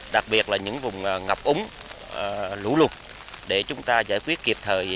đặc biệt là những vùng ngập úng lũ lụt để chúng ta giải quyết kịp thời